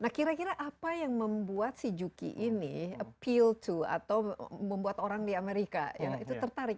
nah kira kira apa yang membuat si juki ini appeal to atau membuat orang di amerika ya itu tertarik